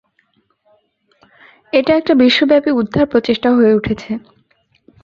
এটা একটা বিশ্বব্যাপী উদ্ধার প্রচেষ্টা হয়ে উঠেছে।